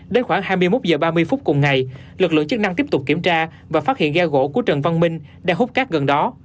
đến khoảng hai mươi một h ba mươi phút cùng ngày lực lượng chức năng tiếp tục kiểm tra và phát hiện ghe gỗ của trần văn minh đang hút cát gần đó